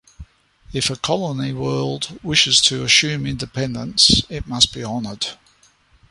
If a colony world wishes to assume independence, it must be honored.